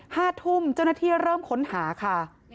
ห้าทุ่มเจ้าหน้าที่เริ่มค้นหาค่ะ